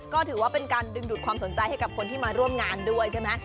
ก็ถือว่าเป็นการดึงดูดความสนใจให้กับคนที่มาร่วมงานด้วยใช่ไหม